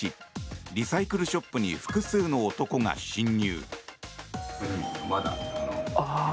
リサイクルショップに複数の男が侵入。